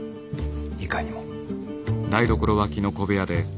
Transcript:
いかにも。